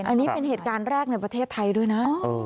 อันนี้เป็นเหตุการณ์แรกในประเทศไทยด้วยนะ